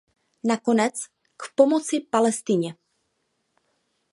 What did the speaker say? Nakonec k pomoci Palestině.